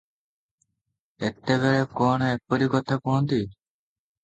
ଏତେବେଳେ କଣ ଏପରି କଥା କହନ୍ତି?